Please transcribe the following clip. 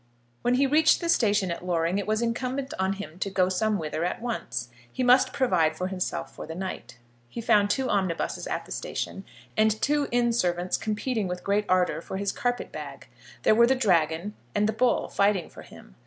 When he reached the station at Loring it was incumbent on him to go somewhither at once. He must provide for himself for the night. He found two omnibuses at the station, and two inn servants competing with great ardour for his carpet bag. There were the Dragon and the Bull fighting for him.